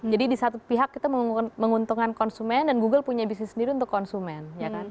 jadi di satu pihak itu menguntungkan konsumen dan google punya bisnis sendiri untuk konsumen